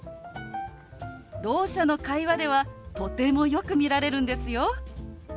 ろう者の会話ではとてもよく見られるんですよ。